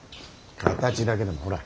形だけでもほら。